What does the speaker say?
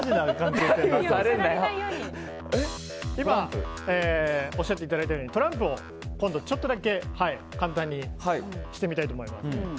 今、おっしゃっていただいたように今度、ちょっとだけ簡単にしてみたいと思います。